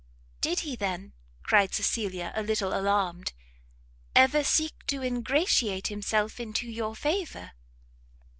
"Did he, then," cried Cecilia a little alarmed, "ever seek to ingratiate himself into your favour?"